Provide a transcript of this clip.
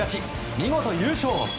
見事、優勝！